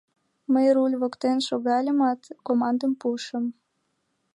Мый, руль воктен шогальымат, командым пуышым: